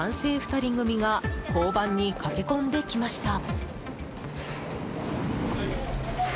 ２人組が交番に駆け込んできました。